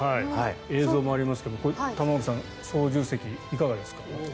映像もありますが玉森さん、操縦席どうですか？